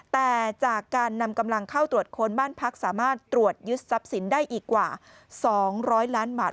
แต่จากการนำกำลังเข้าตรวจค้นบ้านพักสามารถตรวจยึดทรัพย์สินได้อีกกว่า๒๐๐ล้านบาท